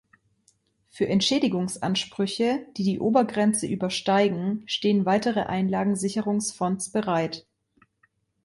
Für Entschädigungsansprüche, die die Obergrenze übersteigen, stehen weitere Einlagensicherungsfonds bereit.